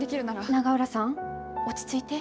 永浦さん落ち着いて。